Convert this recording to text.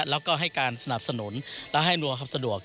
แล้วก็ให้การสนับสนุนและให้นวยความสะดวก